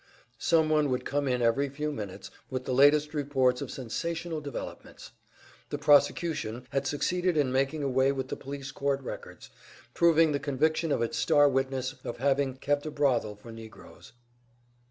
Someone would come in every few minutes, with the latest reports of sensational developments. The prosecution had succeeded in making away with the police court records, proving the conviction of its star witness of having kept a brothel for negroes.